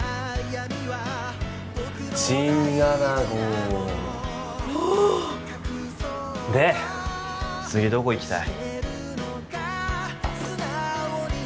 チンアナゴーおおで次どこ行きたい？